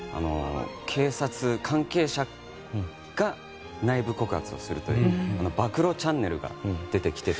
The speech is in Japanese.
警察関係者が内部告発をするという暴露チャンネルが出てきていて。